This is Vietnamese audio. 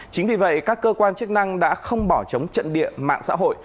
chính vì vậy các cơ quan chức năng đã không bỏ chống trận địa mạng xã hội